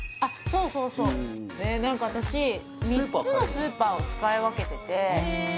そうそうそう何か私３つのスーパーを使い分けててへえ